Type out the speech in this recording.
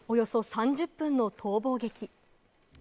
およそ３０分の逃亡劇。